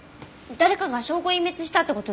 誰かが証拠隠滅したって事ですね。